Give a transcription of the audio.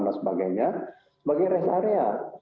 dan sebagainya sebagai res area